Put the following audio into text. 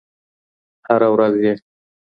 هره ورځ یې